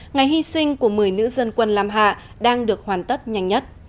ngày hy sinh của một mươi nữ dân quân lam hạ đang được hoàn tất nhanh nhất